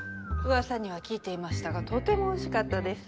噂には聞いていましたがとても美味しかったです。